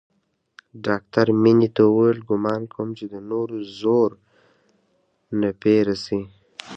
ډاکتر مينې ته وويل ګومان کوم چې د نورو زور نه پې رسي.